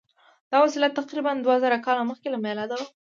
دا وسیله تقریبآ دوه زره کاله مخکې له میلاده وه.